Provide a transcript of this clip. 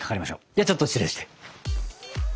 ではちょっと失礼して。